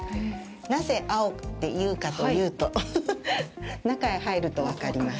なぜ碧って言うかというと中へ入ると分かります。